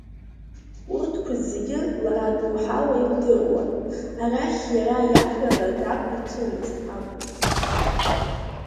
Урҭқәа зегьы лара доуҳала илдыруан, арахь иара иаҳәара дақәиҭымызт акәымзар.